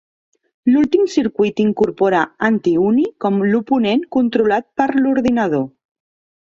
L'últim circuit incorpora Anti-Uni com l'oponent controlat per l'ordinador.